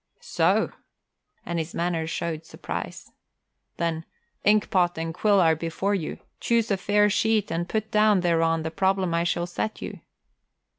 "So!" And his manner showed surprise. Then, "Inkpot and quill are before you. Choose a fair sheet and put down thereon the problem I shall set you."